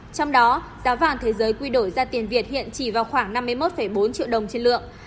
trong đó giá vàng thế giới quy đổi ra tiền việt hiện chỉ vào khoảng năm mươi một bốn triệu đồng trên lượng